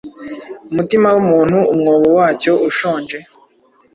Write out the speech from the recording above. Umutima wumuntu umwobo wacyo ushonje.